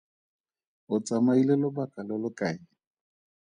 O tsamaile lobaka lo lo kae?